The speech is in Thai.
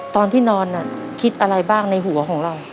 ตอนที่นอนคิดอะไรบ้างในหัวของเรา